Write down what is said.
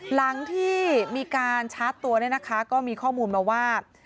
หลังที่มีการชาร์จตัวเนี่ยนะคะก็มีข้อมูลมาว่า